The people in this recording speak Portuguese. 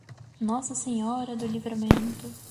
Nossa Senhora do Livramento